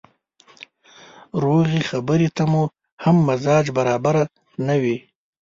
روغې خبرې ته مو هم مزاج برابره نه وي.